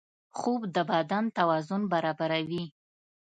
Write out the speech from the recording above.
خوب د بدن توازن برابروي